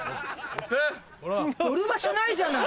乗る場所ないじゃない！